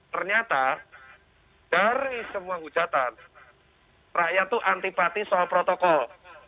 ternyata dari semua hujatan rakyat itu antipati soal protokol